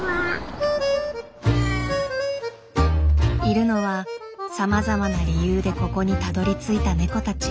いるのはさまざまな理由でここにたどりついたネコたち。